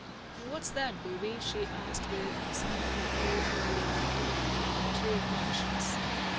"And what's that, booby?" she asked, with some of her old familiarity. "A clear conscience."